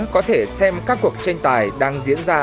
có thể xem các cuộc tranh tài đang diễn ra